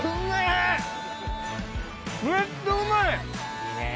いいねえ。